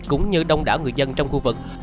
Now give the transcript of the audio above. cũng như đông đảo người dân trong khu vực